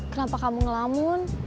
kenapa kamu ngelamun